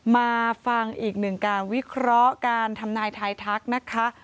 มาฟังอีกหนึ่งการวิเคราะห์การทำนายทายทักนะคะ